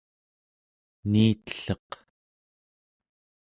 niitelleq